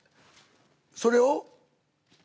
それを。